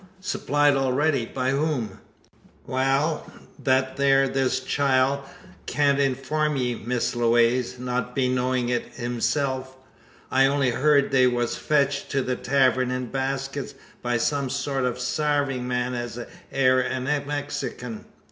Supplied already! By whom?" "Wal, thet theer this chile can't inform ye, Miss Lewaze; not be knowin' it hisself. I on'y hyurd they wur fetched to the tavern in baskets, by some sort o' a sarving man as air a Mexikin.